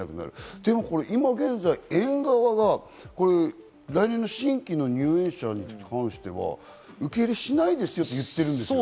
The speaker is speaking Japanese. でも今現在、園側が来年の新規の入園者に関しては、受け入れしないですよと言ってるんですよね。